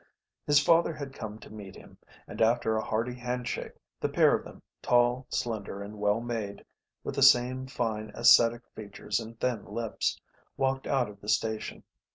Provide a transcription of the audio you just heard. His father had come to meet him, and after a hearty handshake, the pair of them, tall, slender, and well made, with the same fine, ascetic features and thin lips, walked out of the station.